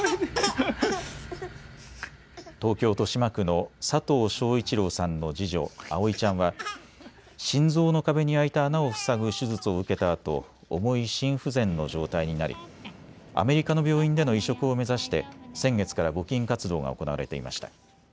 東京豊島区の佐藤昭一郎さんの次女、葵ちゃんは心臓の壁に開いた穴を塞ぐ手術を受けたあと重い心不全の状態になりアメリカの病院での移植を目指して先月から募金活動が行われていました。